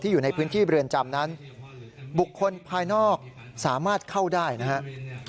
อยู่ในพื้นที่เรือนจำนั้นบุคคลภายนอกสามารถเข้าได้นะครับ